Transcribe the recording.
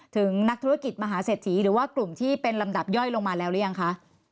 ถึงนักธุรกิจมหาเศรษฐีหรือว่ากลุ่มที่เป็นลำดับย่อยลงมาแล้วหรือยังคะ